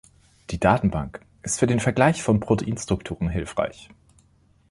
Die Datenbank ist für den Vergleich von Proteinstrukturen hilfreich.